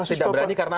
tidak berani karena